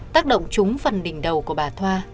tác động trúng phần đỉnh đầu của bà thoa